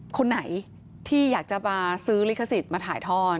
คนไหนที่อยากจะมาซื้อลิขสิทธิ์มาถ่ายทอด